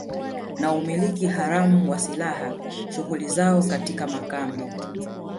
na umiliki haramu wa silaha shughuli zao katika makambi